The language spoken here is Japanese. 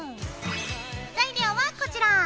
材料はこちら。